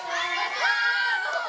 ・どうも！